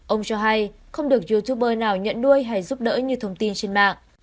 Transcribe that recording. ông cho hay không được youtube nào nhận nuôi hay giúp đỡ như thông tin trên mạng